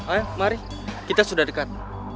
ayo mari kita sudah dekat